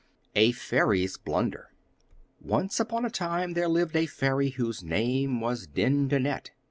] A Fairy's Blunder Once upon a time there lived a fairy whose name was Dindonette.